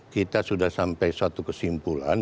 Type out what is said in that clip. kita sudah sampai suatu kesimpulan